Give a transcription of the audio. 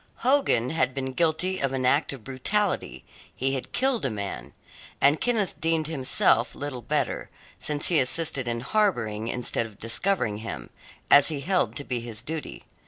Hogan had been guilty of an act of brutality; he had killed a man; and Kenneth deemed himself little better, since he assisted in harbouring instead of discovering him, as he held to be his duty.